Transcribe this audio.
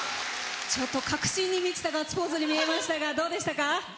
確信に満ちたガッツポーズに見えましたが、どうでしたか？